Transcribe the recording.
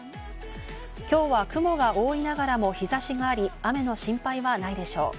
今日は雲が多いながらも日差しがあり、雨の心配はないでしょう。